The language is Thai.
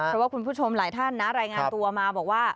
เพราะว่าคุณผู้ชมหลายท่านนะรายงานตัวมาบอกว่า